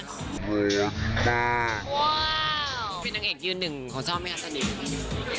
เป็นนางเอกยืนหนึ่งของซ่อมพี่อัสสณียังไง